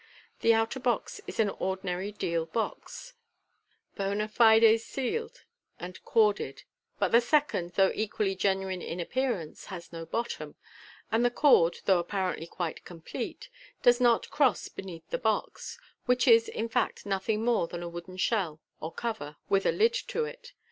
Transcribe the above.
The outer box is an ordinary deal box, bond fide sealed and corded, but the second, though equally genuine in appear ance, has no bottom, and the cord, though apparently quite complete, does not cross beneath the box, which is, in fact, nothing more than a wooden shell, or cover, with a lid to it.